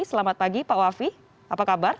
selamat pagi pak wafi apa kabar